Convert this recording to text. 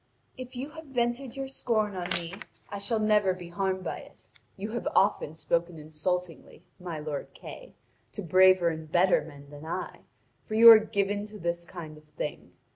If you have vented your scorn on me, I shall never be harmed by it. You have often spoken insultingly, my lord Kay, to braver and better men than I, for you are given to this kind of thing.